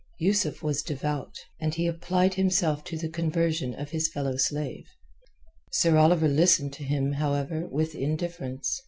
Yusuf was devout, and he applied himself to the conversion of his fellow slave. Sir Oliver listened to him, however, with indifference.